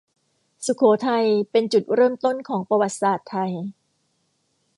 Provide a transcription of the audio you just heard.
สุโขทัยเป็นจุดเริ่มต้นของประวัติศาสตร์ไทย